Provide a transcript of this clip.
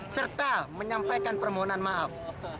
serta menyampaikan permohonan maaf